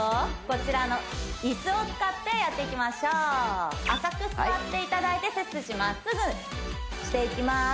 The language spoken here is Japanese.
こちらの椅子を使ってやっていきましょう浅く座っていただいて背筋まっすぐしていきます